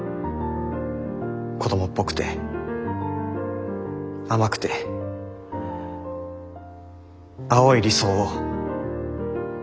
子供っぽくて甘くて青い理想を。